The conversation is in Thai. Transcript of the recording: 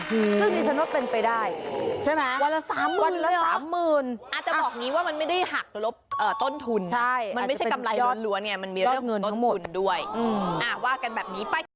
ซึ่งนี้ฉันว่าเป็นไปได้